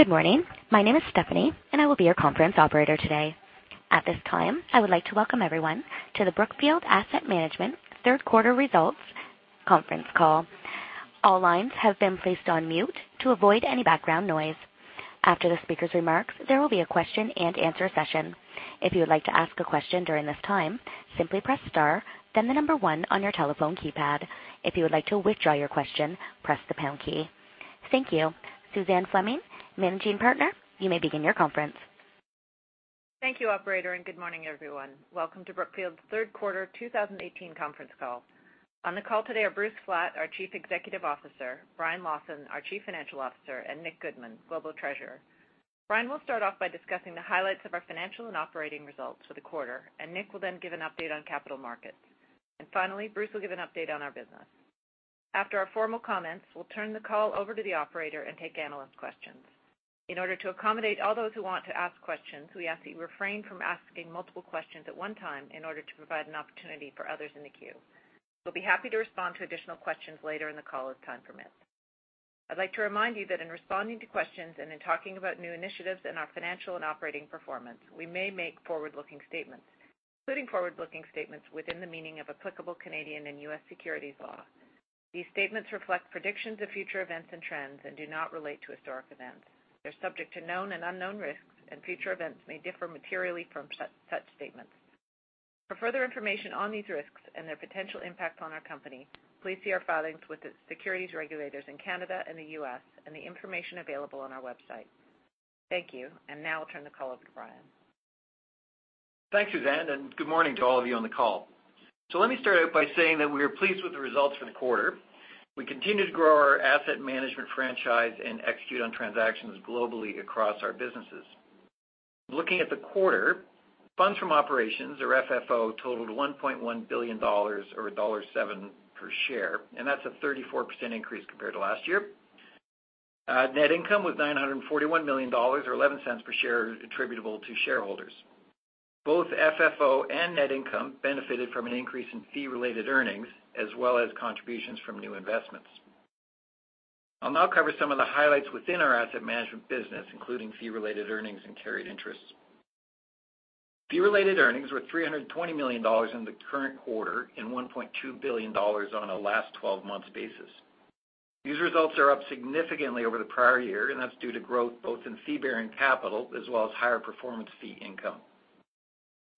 Good morning. My name is Stephanie, and I will be your conference operator today. At this time, I would like to welcome everyone to the Brookfield Asset Management third quarter results conference call. All lines have been placed on mute to avoid any background noise. After the speaker's remarks, there will be a question and answer session. If you would like to ask a question during this time, simply press star, then the number 1 on your telephone keypad. If you would like to withdraw your question, press the pound key. Thank you. Suzanne Fleming, Managing Partner, you may begin your conference. Thank you operator. Good morning, everyone. Welcome to Brookfield's third quarter 2018 conference call. On the call today are Bruce Flatt, our Chief Executive Officer, Brian Lawson, our Chief Financial Officer, and Nicholas Goodman, Global Treasurer. Brian will start off by discussing the highlights of our financial and operating results for the quarter. Nick will then give an update on capital markets. Finally, Bruce will give an update on our business. After our formal comments, we'll turn the call over to the operator and take analyst questions. In order to accommodate all those who want to ask questions, we ask that you refrain from asking multiple questions at one time in order to provide an opportunity for others in the queue. We'll be happy to respond to additional questions later in the call as time permits. I'd like to remind you that in responding to questions and in talking about new initiatives in our financial and operating performance, we may make forward-looking statements, including forward-looking statements within the meaning of applicable Canadian and U.S. securities law. These statements reflect predictions of future events and trends and do not relate to historic events. They're subject to known and unknown risks. Future events may differ materially from such statements. For further information on these risks and their potential impact on our company, please see our filings with the securities regulators in Canada and the U.S. and the information available on our website. Thank you. Now I'll turn the call over to Brian. Thanks, Suzanne. Good morning to all of you on the call. Let me start out by saying that we are pleased with the results for the quarter. We continue to grow our asset management franchise and execute on transactions globally across our businesses. Looking at the quarter, funds from operations or FFO totaled $1.1 billion or $1.07 per share. That's a 34% increase compared to last year. Net income was $941 million, or $0.11 per share attributable to shareholders. Both FFO and net income benefited from an increase in fee-related earnings as well as contributions from new investments. I'll now cover some of the highlights within our asset management business, including fee-related earnings and carried interests. Fee-related earnings were $320 million in the current quarter and $1.2 billion on a last 12 months basis. These results are up significantly over the prior year, and that's due to growth both in fee-bearing capital as well as higher performance fee income.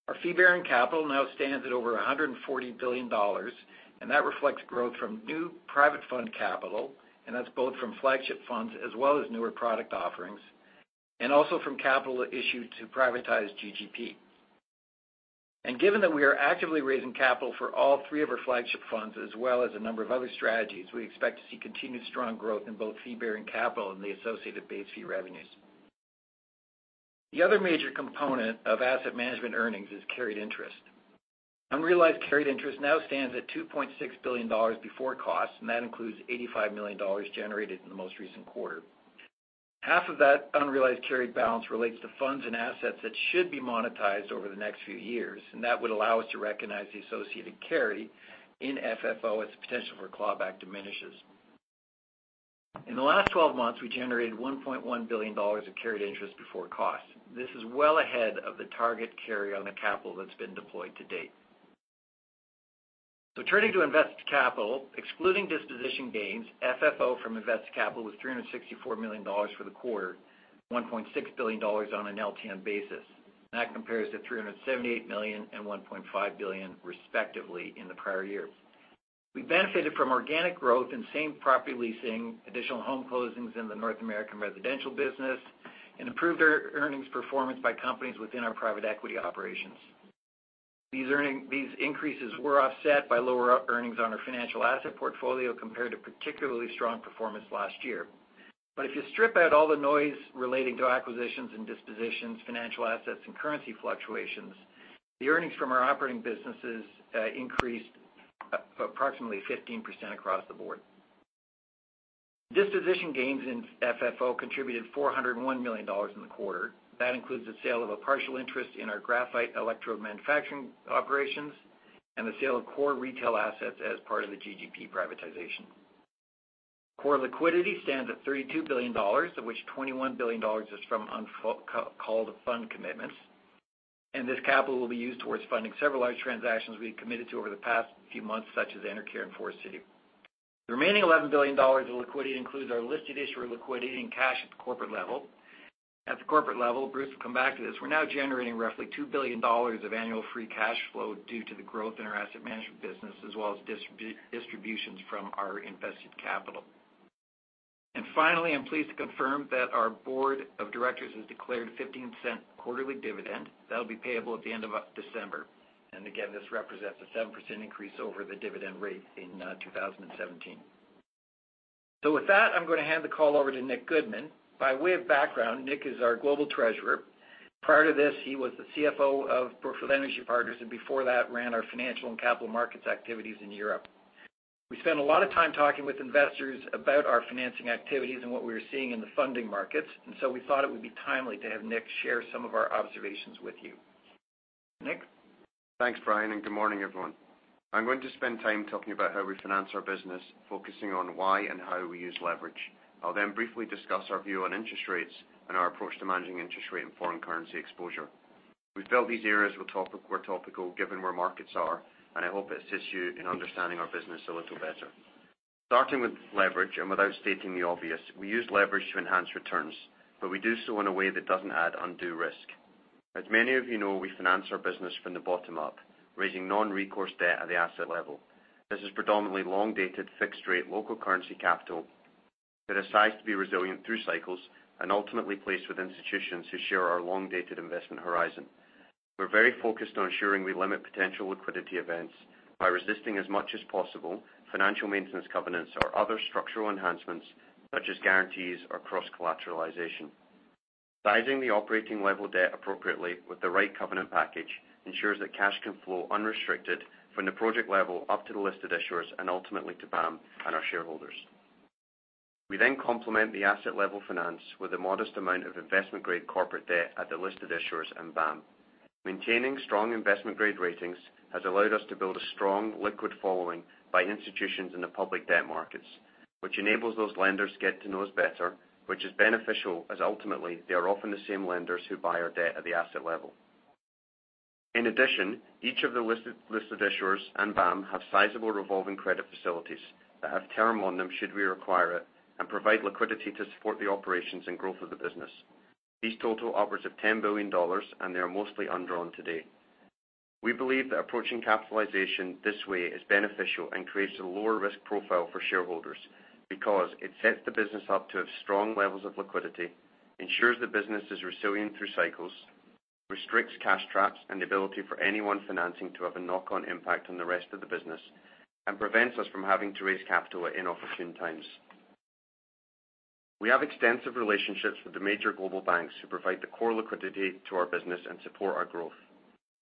Our fee-bearing capital now stands at over $140 billion, and that reflects growth from new private fund capital, and that's both from flagship funds as well as newer product offerings, and also from capital issued to privatized GGP. Given that we are actively raising capital for all three of our flagship funds as well as a number of other strategies, we expect to see continued strong growth in both fee-bearing capital and the associated base fee revenues. The other major component of asset management earnings is carried interest. Unrealized carried interest now stands at $2.6 billion before cost, and that includes $85 million generated in the most recent quarter. Half of that unrealized carried balance relates to funds and assets that should be monetized over the next few years, and that would allow us to recognize the associated carry in FFO as the potential for clawback diminishes. In the last 12 months, we generated $1.1 billion of carried interest before cost. This is well ahead of the target carry on the capital that's been deployed to date. Turning to invested capital, excluding disposition gains, FFO from invested capital was $364 million for the quarter, $1.6 billion on an LTM basis. That compares to $378 million and $1.5 billion, respectively, in the prior year. We benefited from organic growth in same property leasing, additional home closings in the North American residential business, and improved earnings performance by companies within our private equity operations. These increases were offset by lower earnings on our financial asset portfolio compared to particularly strong performance last year. If you strip out all the noise relating to acquisitions and dispositions, financial assets and currency fluctuations, the earnings from our operating businesses increased approximately 15% across the board. Disposition gains in FFO contributed $401 million in the quarter. That includes the sale of a partial interest in our graphite electrode manufacturing operations and the sale of core retail assets as part of the GGP privatization. Core liquidity stands at $32 billion, of which $21 billion is from uncalled fund commitments, and this capital will be used towards funding several large transactions we've committed to over the past few months, such as Enercare and Forest City. The remaining $11 billion in liquidity includes our listed issuer liquidity and cash at the corporate level. At the corporate level, Bruce will come back to this, we're now generating roughly $2 billion of annual free cash flow due to the growth in our asset management business as well as distributions from our invested capital. Finally, I'm pleased to confirm that our board of directors has declared a $0.15 quarterly dividend that'll be payable at the end of December. Again, this represents a 7% increase over the dividend rate in 2017. With that, I'm going to hand the call over to Nick Goodman. By way of background, Nick is our Global Treasurer. Prior to this, he was the CFO of Brookfield Renewable Partners, and before that, ran our financial and capital markets activities in Europe. We spend a lot of time talking with investors about our financing activities and what we're seeing in the funding markets. We thought it would be timely to have Nick share some of our observations with you. Nick? Thanks, Brian, and good morning, everyone. I'm going to spend time talking about how we finance our business, focusing on why and how we use leverage. I'll briefly discuss our view on interest rates and our approach to managing interest rate and foreign currency exposure. We felt these areas were topical given where markets are. I hope it assists you in understanding our business a little better. Starting with leverage, without stating the obvious, we use leverage to enhance returns, but we do so in a way that doesn't add undue risk. As many of you know, we finance our business from the bottom up, raising non-recourse debt at the asset level. This is predominantly long-dated, fixed rate, local currency capital that is sized to be resilient through cycles and ultimately placed with institutions who share our long-dated investment horizon. We're very focused on ensuring we limit potential liquidity events by resisting as much as possible financial maintenance covenants or other structural enhancements, such as guarantees or cross-collateralization. Sizing the operating level debt appropriately with the right covenant package ensures that cash can flow unrestricted from the project level up to the listed issuers and ultimately to BAM and our shareholders. We complement the asset level finance with a modest amount of investment-grade corporate debt at the listed issuers and BAM. Maintaining strong investment-grade ratings has allowed us to build a strong liquid following by institutions in the public debt markets, which enables those lenders get to know us better, which is beneficial, as ultimately, they are often the same lenders who buy our debt at the asset level. In addition, each of the listed issuers and BAM have sizable revolving credit facilities that have term on them should we require it and provide liquidity to support the operations and growth of the business. These total upwards of $10 billion. They are mostly undrawn to date. We believe that approaching capitalization this way is beneficial and creates a lower risk profile for shareholders because it sets the business up to have strong levels of liquidity, ensures the business is resilient through cycles, restricts cash traps and the ability for any one financing to have a knock-on impact on the rest of the business, and prevents us from having to raise capital at inopportune times. We have extensive relationships with the major global banks who provide the core liquidity to our business and support our growth.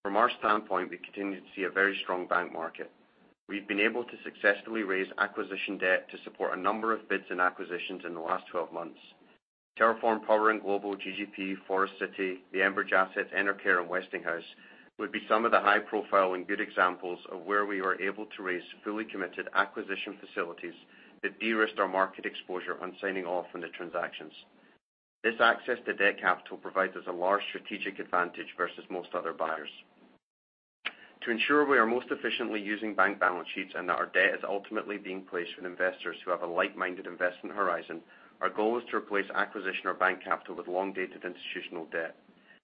From our standpoint, we continue to see a very strong bank market. We've been able to successfully raise acquisition debt to support a number of bids and acquisitions in the last 12 months. TerraForm Power and GGP, Forest City, the Enbridge asset, Enercare, and Westinghouse would be some of the high-profile and good examples of where we were able to raise fully committed acquisition facilities that de-risked our market exposure on signing off on the transactions. This access to debt capital provides us a large strategic advantage versus most other buyers. To ensure we are most efficiently using bank balance sheets and that our debt is ultimately being placed with investors who have a like-minded investment horizon, our goal is to replace acquisition or bank capital with long-dated institutional debt.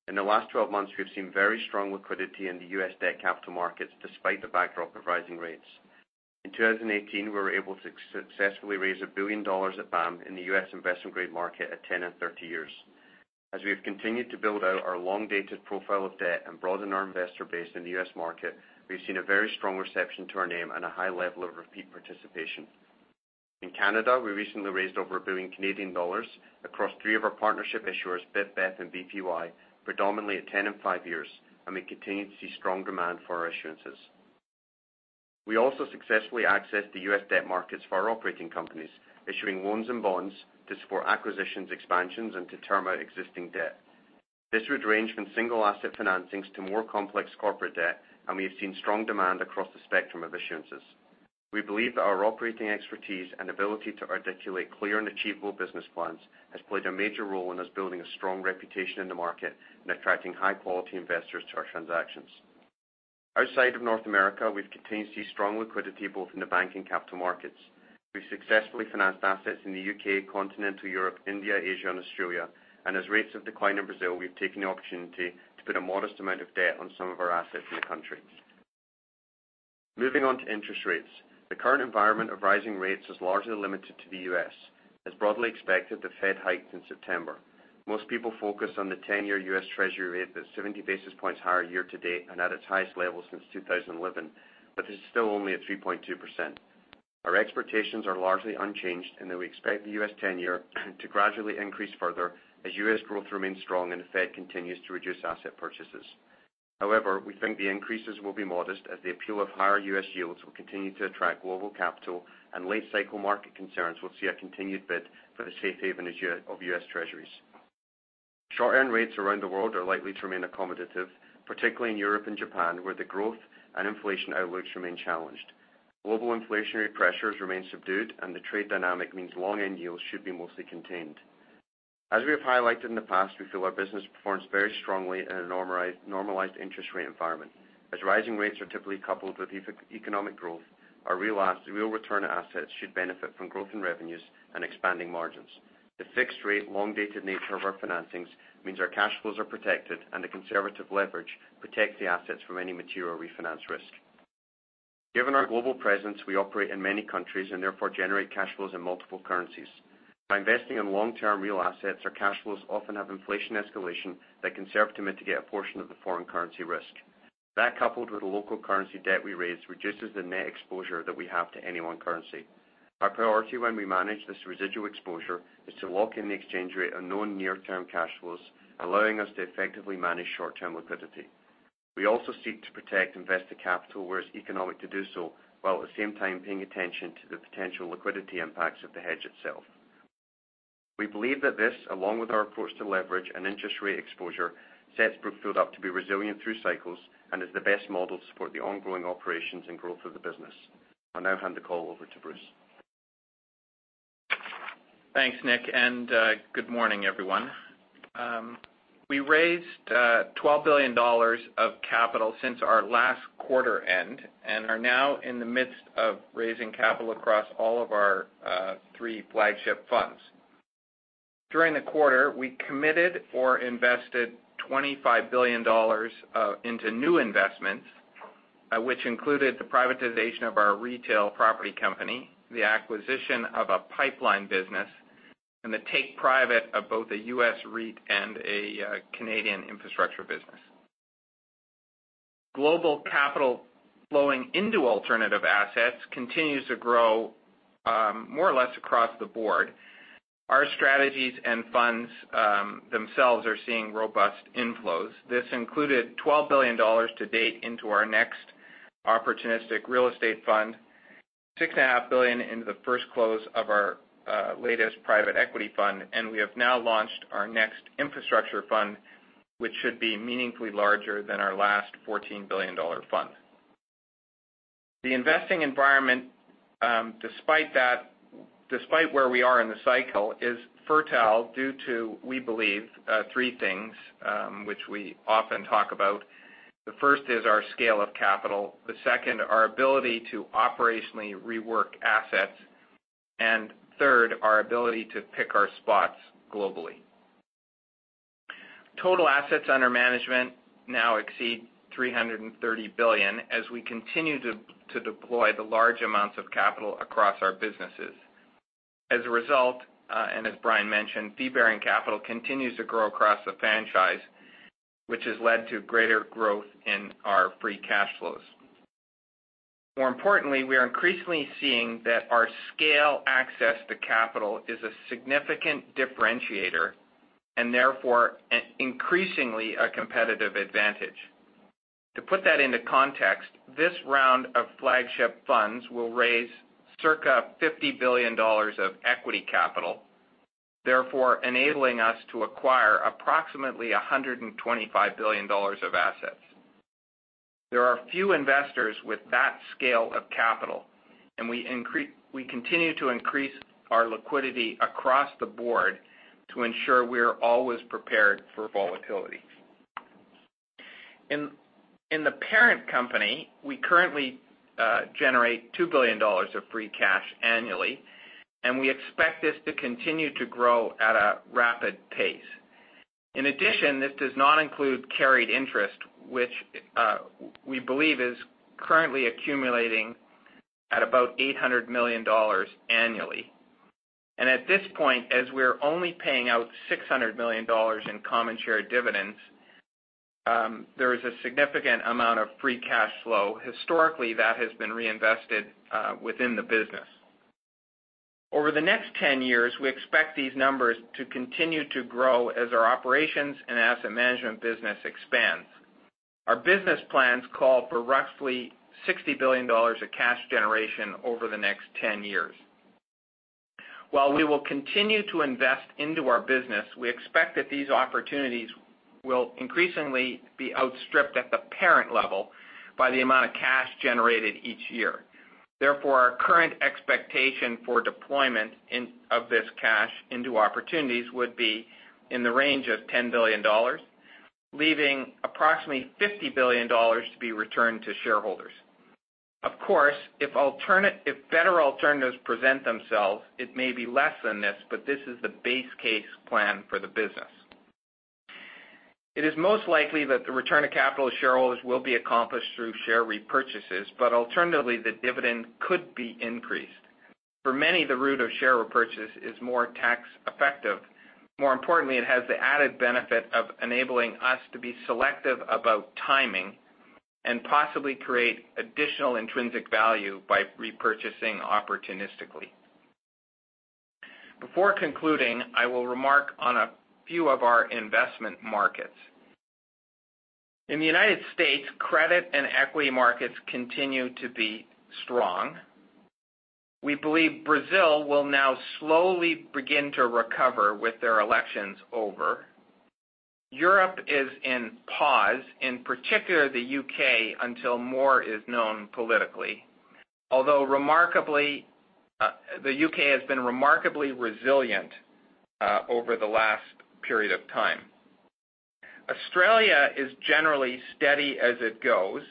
In the last 12 months, we've seen very strong liquidity in the U.S. debt capital markets despite the backdrop of rising rates. In 2018, we were able to successfully raise $1 billion at BAM in the U.S. investment-grade market at 10 and 30 years. As we have continued to build out our long-dated profile of debt and broaden our investor base in the U.S. market, we've seen a very strong reception to our name and a high level of repeat participation. In Canada, we recently raised over 1 billion Canadian dollars across three of our partnership issuers, BIP, BEP, and BPY, predominantly at 10 and five years, and we continue to see strong demand for our issuances. We also successfully accessed the U.S. debt markets for our operating companies, issuing loans and bonds to support acquisitions, expansions, and to term out existing debt. This would range from single asset financings to more complex corporate debt, and we have seen strong demand across the spectrum of issuances. We believe that our operating expertise and ability to articulate clear and achievable business plans has played a major role in us building a strong reputation in the market and attracting high-quality investors to our transactions. Outside of North America, we've continued to see strong liquidity, both in the bank and capital markets. We've successfully financed assets in the U.K., Continental Europe, India, Asia, and Australia, and as rates have declined in Brazil, we've taken the opportunity to put a modest amount of debt on some of our assets in the country. Moving on to interest rates. The current environment of rising rates is largely limited to the U.S. As broadly expected, the Fed hiked in September. Most people focus on the 10-year U.S. Treasury rate that's 70 basis points higher year to date and at its highest level since 2011, but it's still only at 3.2%. Our expectations are largely unchanged in that we expect the U.S. 10-year to gradually increase further as U.S. growth remains strong and the Fed continues to reduce asset purchases. However, we think the increases will be modest as the appeal of higher U.S. yields will continue to attract global capital and late cycle market concerns will see a continued bid for the safe haven of U.S. Treasuries. Short-term rates around the world are likely to remain accommodative, particularly in Europe and Japan, where the growth and inflation outlooks remain challenged. Global inflationary pressures remain subdued, and the trade dynamic means long-end yields should be mostly contained. As we have highlighted in the past, we feel our business performs very strongly in a normalized interest rate environment. As rising rates are typically coupled with economic growth, our real return assets should benefit from growth in revenues and expanding margins. The fixed rate, long-dated nature of our financings means our cash flows are protected and the conservative leverage protects the assets from any material refinance risk. Given our global presence, we operate in many countries and therefore generate cash flows in multiple currencies. By investing in long-term real assets, our cash flows often have inflation escalation that can serve to mitigate a portion of the foreign currency risk. That, coupled with the local currency debt we raise, reduces the net exposure that we have to any one currency. Our priority when we manage this residual exposure is to lock in the exchange rate on known near-term cash flows, allowing us to effectively manage short-term liquidity. We also seek to protect invested capital where it's economic to do so, while at the same time paying attention to the potential liquidity impacts of the hedge itself. We believe that this, along with our approach to leverage and interest rate exposure, sets Brookfield up to be resilient through cycles and is the best model to support the ongoing operations and growth of the business. I'll now hand the call over to Bruce. Thanks, Nick, good morning, everyone. We raised $12 billion of capital since our last quarter end and are now in the midst of raising capital across all of our three flagship funds. During the quarter, we committed or invested $25 billion into new investments, which included the privatization of our retail property company, the acquisition of a pipeline business, and the take private of both a US REIT and a Canadian infrastructure business. Global capital flowing into alternative assets continues to grow more or less across the board. Our strategies and funds themselves are seeing robust inflows. This included $12 billion to date into our next opportunistic real estate fund, $6.5 billion into the first close of our latest private equity fund, and we have now launched our next infrastructure fund, which should be meaningfully larger than our last $14 billion fund. The investing environment, despite where we are in the cycle, is fertile due to, we believe, three things, which we often talk about. The first is our scale of capital, the second, our ability to operationally rework assets, and third, our ability to pick our spots globally. Total assets under management now exceed $330 billion as we continue to deploy the large amounts of capital across our businesses. As a result, as Brian mentioned, fee-bearing capital continues to grow across the franchise, which has led to greater growth in our free cash flows. More importantly, we are increasingly seeing that our scale access to capital is a significant differentiator and therefore, increasingly a competitive advantage. To put that into context, this round of flagship funds will raise circa $50 billion of equity capital, therefore enabling us to acquire approximately $125 billion of assets. There are few investors with that scale of capital. We continue to increase our liquidity across the board to ensure we are always prepared for volatility. In the parent company, we currently generate $2 billion of free cash annually, and we expect this to continue to grow at a rapid pace. In addition, this does not include carried interest, which, we believe is currently accumulating at about $800 million annually. At this point, as we're only paying out $600 million in common share dividends, there is a significant amount of free cash flow, historically, that has been reinvested within the business. Over the next 10 years, we expect these numbers to continue to grow as our operations and asset management business expands. Our business plans call for roughly $60 billion of cash generation over the next 10 years. While we will continue to invest into our business, we expect that these opportunities will increasingly be outstripped at the parent level by the amount of cash generated each year. Therefore, our current expectation for deployment of this cash into opportunities would be in the range of $10 billion, leaving approximately $50 billion to be returned to shareholders. Of course, if better alternatives present themselves, it may be less than this. This is the base case plan for the business. It is most likely that the return of capital to shareholders will be accomplished through share repurchases. Alternatively, the dividend could be increased. For many, the route of share repurchase is more tax effective. More importantly, it has the added benefit of enabling us to be selective about timing and possibly create additional intrinsic value by repurchasing opportunistically. Before concluding, I will remark on a few of our investment markets. In the U.S., credit and equity markets continue to be strong. We believe Brazil will now slowly begin to recover with their elections over. Europe is in pause, in particular the U.K., until more is known politically. Although the U.K. has been remarkably resilient over the last period of time. Australia is generally steady as it goes.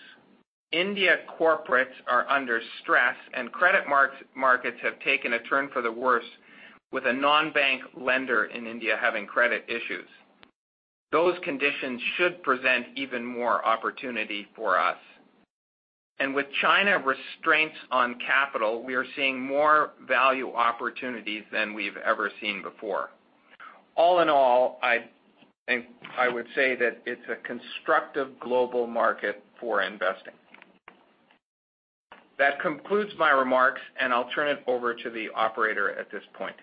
India corporates are under stress. Credit markets have taken a turn for the worse with a non-bank lender in India having credit issues. Those conditions should present even more opportunity for us. With China restraints on capital, we are seeing more value opportunities than we've ever seen before. All in all, I would say that it's a constructive global market for investing. That concludes my remarks. I'll turn it over to the operator at this point.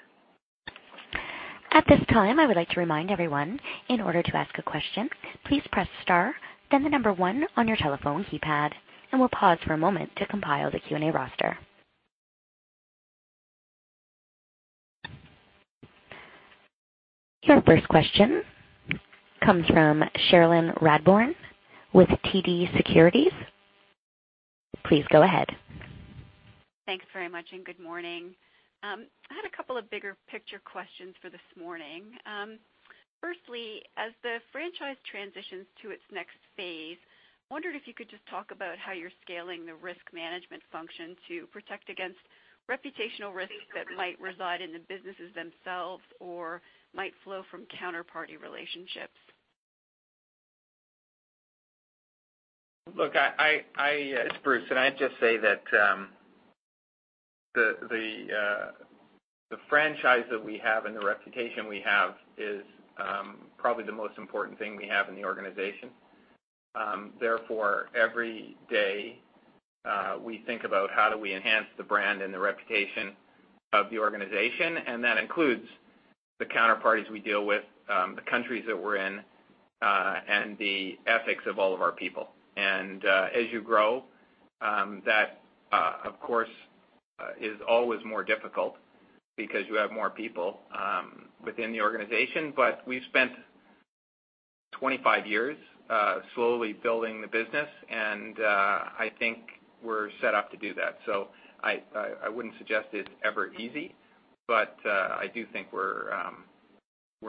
At this time, I would like to remind everyone, in order to ask a question, please press star, then the number one on your telephone keypad. We'll pause for a moment to compile the Q&A roster. Your first question comes from Cherilyn Radbourne with TD Securities. Please go ahead. Thanks very much, and good morning. I had a couple of bigger picture questions for this morning. Firstly, as the franchise transitions to its next phase, I wondered if you could just talk about how you're scaling the risk management function to protect against reputational risks that might reside in the businesses themselves or might flow from counterparty relationships. Look, it's Bruce. I'd just say that the franchise that we have and the reputation we have is probably the most important thing we have in the organization. Every day, we think about how do we enhance the brand and the reputation of the organization, and that includes the counterparties we deal with, the countries that we're in, and the ethics of all of our people. As you grow, that, of course, is always more difficult because you have more people within the organization. We've spent 25 years slowly building the business, and I think we're set up to do that. I wouldn't suggest it's ever easy, I do think we're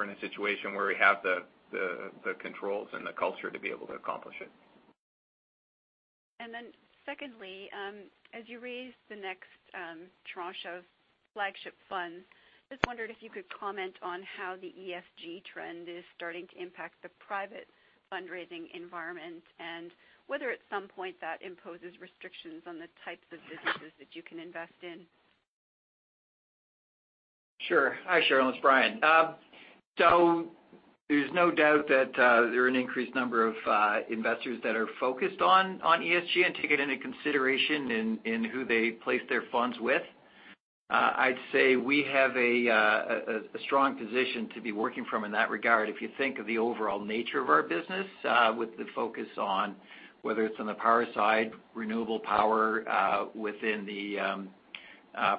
in a situation where we have the controls and the culture to be able to accomplish it. Secondly, as you raise the next tranche of flagship funds, just wondered if you could comment on how the ESG trend is starting to impact the private fundraising environment, and whether at some point that imposes restrictions on the types of businesses that you can invest in. Sure. Hi, Cherilyn, it's Brian. There's no doubt that there are an increased number of investors that are focused on ESG and take it into consideration in who they place their funds with. I'd say we have a strong position to be working from in that regard. If you think of the overall nature of our business with the focus on whether it's on the power side, renewable power within the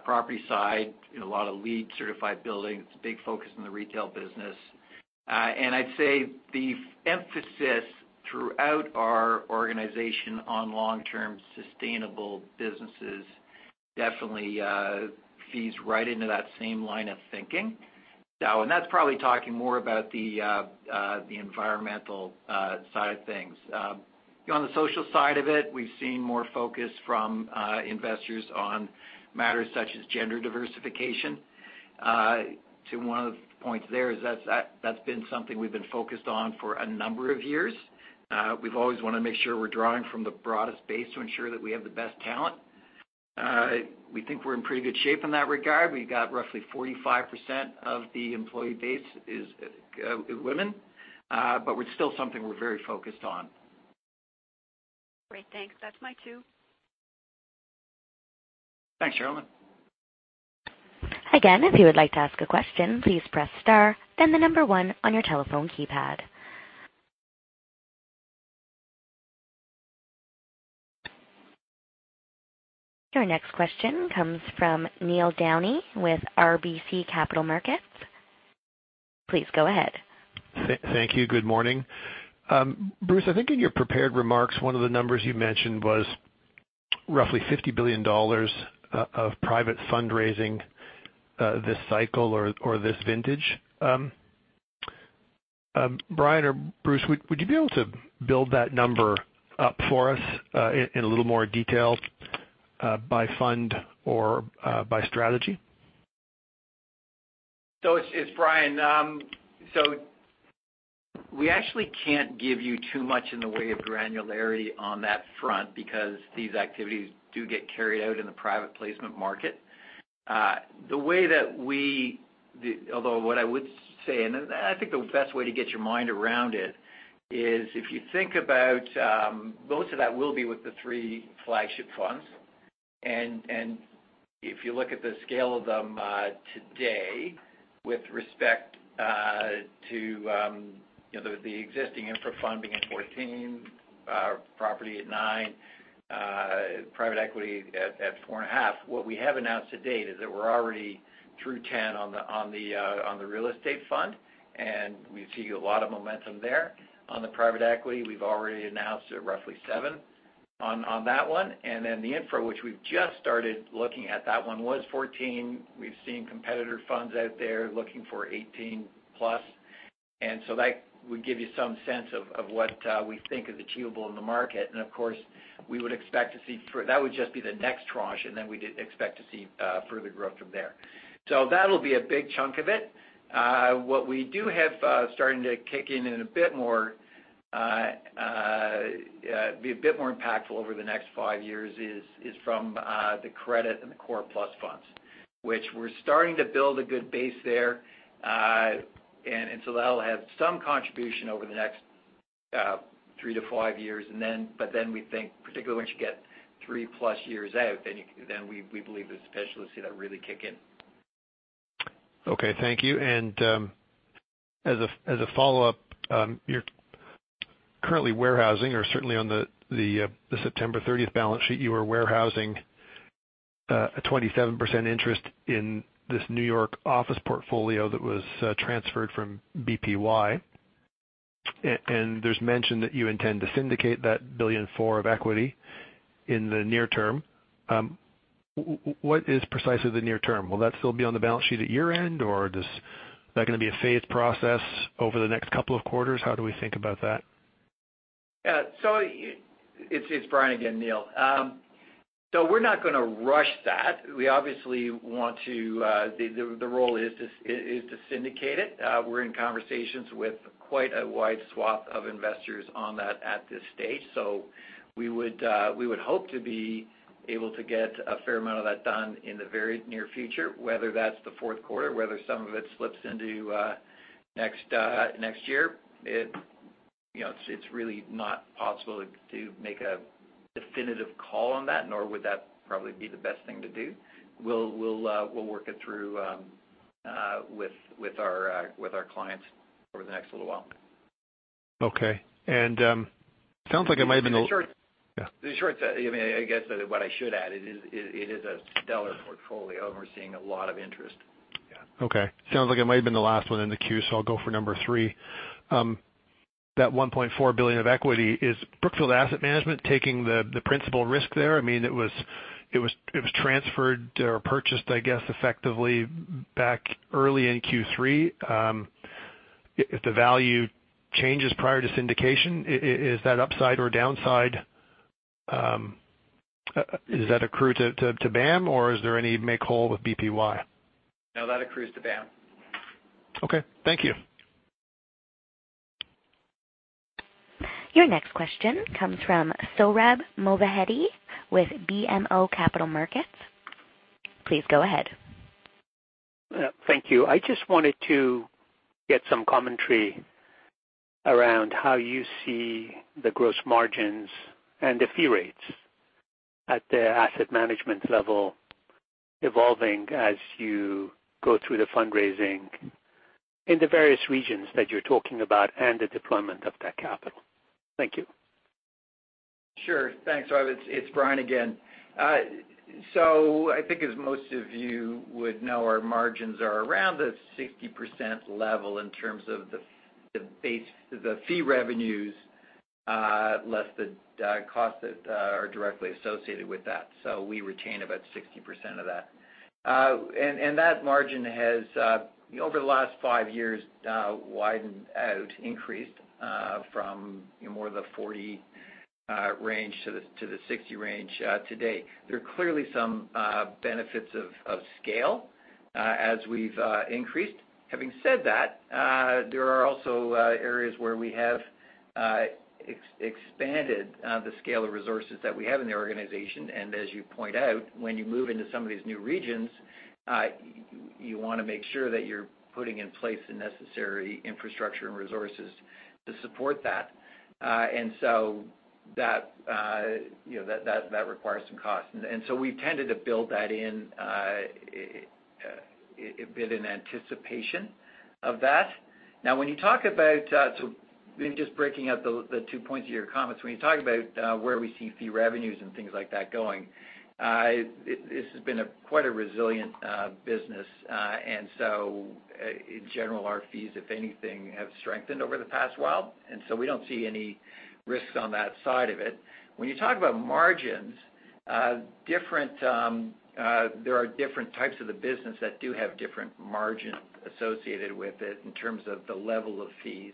property side, a lot of LEED certified buildings, big focus in the retail business. I'd say the emphasis throughout our organization on long-term sustainable businesses definitely feeds right into that same line of thinking. That's probably talking more about the environmental side of things. On the social side of it, we've seen more focus from investors on matters such as gender diversification. To one of the points there is that's been something we've been focused on for a number of years. We've always wanted to make sure we're drawing from the broadest base to ensure that we have the best talent. We think we're in pretty good shape in that regard. We got roughly 45% of the employee base is women. It's still something we're very focused on. Great. Thanks. That's my two. Thanks, Cherilyn. Again, if you would like to ask a question, please press star, then the number one on your telephone keypad. Your next question comes from Neil Downey with RBC Capital Markets. Please go ahead. Thank you. Good morning. Bruce, I think in your prepared remarks, one of the numbers you mentioned was roughly $50 billion of private fundraising this cycle or this vintage. Brian or Bruce, would you be able to build that number up for us in a little more detail by fund or by strategy? It's Brian. We actually can't give you too much in the way of granularity on that front because these activities do get carried out in the private placement market. What I would say, and I think the best way to get your mind around it is if you think about most of that will be with the three flagship funds. If you look at the scale of them today with respect to the existing infra fund being at 14, property at 9, private equity at 4.5. What we have announced to date is that we're already through 10 on the real estate fund, and we see a lot of momentum there. On the private equity, we've already announced at roughly 7 on that one. The infra, which we've just started looking at, that one was 14. We've seen competitor funds out there looking for 18 plus. That would give you some sense of what we think is achievable in the market. That would just be the next tranche, and then we'd expect to see further growth from there. That'll be a big chunk of it. What we do have starting to kick in and be a bit more impactful over the next 5 years is from the credit and the core plus funds, which we're starting to build a good base there. That'll have some contribution over the next 3 to 5 years. We think particularly once you get 3-plus years out, then we believe the specialist strategies are really kick in. Okay. Thank you. As a follow-up, currently warehousing, or certainly on the September 30th balance sheet, you were warehousing a 27% interest in this New York office portfolio that was transferred from BPY. There's mention that you intend to syndicate that $1.4 billion of equity in the near term. What is precisely the near term? Will that still be on the balance sheet at year-end, or is that going to be a phased process over the next couple of quarters? How do we think about that? Yeah. It's Brian again, Neil. We're not going to rush that. We obviously want to. The role is to syndicate it. We're in conversations with quite a wide swath of investors on that at this stage. We would hope to be able to get a fair amount of that done in the very near future, whether that's the fourth quarter, whether some of it slips into next year. It's really not possible to make a definitive call on that, nor would that probably be the best thing to do. We'll work it through with our clients over the next little while. Okay. In short. Yeah. In short, I guess what I should add, it is a stellar portfolio, and we're seeing a lot of interest. Yeah. Okay, sounds like it might have been the last one in the queue. I'll go for number three. That $1.4 billion of equity, is Brookfield Asset Management taking the principal risk there? It was transferred or purchased, I guess, effectively back early in Q3. If the value changes prior to syndication, is that upside or downside? Is that accrued to BAM, or is there any make whole with BPY? No, that accrues to BAM. Okay. Thank you. Your next question comes from Sohrab Movahedi with BMO Capital Markets. Please go ahead. Thank you. I just wanted to get some commentary around how you see the gross margins and the fee rates at the asset management level evolving as you go through the fundraising in the various regions that you're talking about, and the deployment of that capital. Thank you. Sure. Thanks, Sohrab. It's Brian again. I think as most of you would know, our margins are around the 60% level in terms of the base, the fee revenues less the costs that are directly associated with that. We retain about 60% of that. That margin has, over the last five years, widened out, increased from more the 40 range to the 60 range today. There are clearly some benefits of scale as we've increased. Having said that, there are also areas where we have expanded the scale of resources that we have in the organization. As you point out, when you move into some of these new regions, you want to make sure that you're putting in place the necessary infrastructure and resources to support that. That requires some cost. We've tended to build that in a bit in anticipation of that. Now, when you talk about, maybe just breaking out the two points of your comments. When you talk about where we see fee revenues and things like that going, this has been quite a resilient business. In general, our fees, if anything, have strengthened over the past while, we don't see any risks on that side of it. When you talk about margins, there are different types of the business that do have different margin associated with it in terms of the level of fees.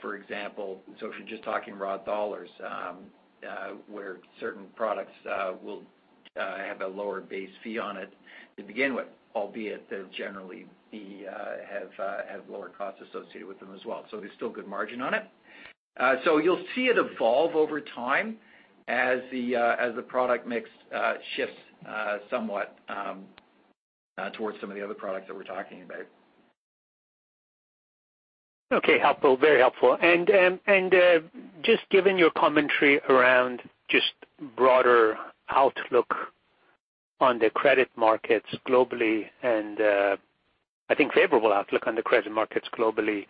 For example, if you're just talking raw dollars, where certain products will have a lower base fee on it to begin with, albeit they'll generally have lower costs associated with them as well. There's still good margin on it. You'll see it evolve over time as the product mix shifts somewhat towards some of the other products that we're talking about. Okay. Helpful. Very helpful. Just given your commentary around just broader outlook on the credit markets globally, and I think favorable outlook on the credit markets globally,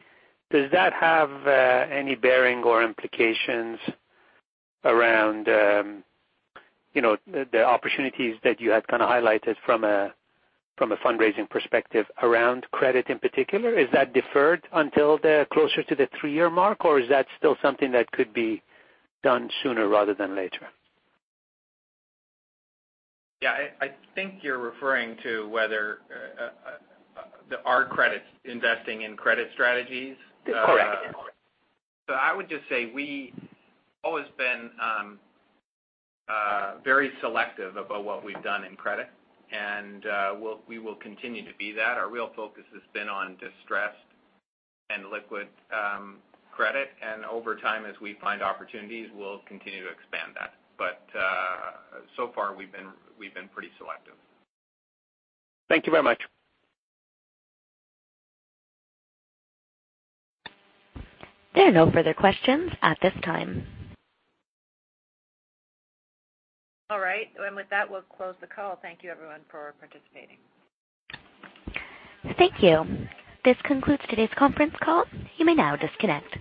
does that have any bearing or implications around the opportunities that you had kind of highlighted from a fundraising perspective around credit in particular? Is that deferred until closer to the three-year mark, or is that still something that could be done sooner rather than later? Yeah. I think you're referring to whether our credit, investing in credit strategies? Correct. I would just say we've always been very selective about what we've done in credit, and we will continue to be that. Our real focus has been on distressed and illiquid credit. Over time, as we find opportunities, we'll continue to expand that. So far, we've been pretty selective. Thank you very much. There are no further questions at this time. All right. With that, we'll close the call. Thank you everyone for participating. Thank you. This concludes today's conference call. You may now disconnect.